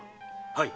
はい。